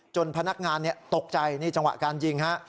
พนักงานตกใจนี่จังหวะการยิงฮะ